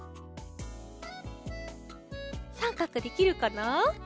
さんかくできるかな？